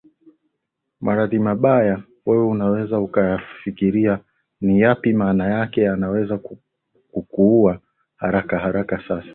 maradhi mabaya wewe unaweza ukayafikiria ni yapi Maana yake yanaweza kukuua haraka haraka Sasa